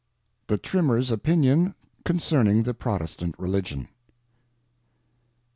67 The Trimmer's Opinion concerning the Protestant Religion.